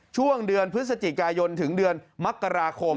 ช่วงเดือนพฤศจิกายนถึงเดือนมกราคม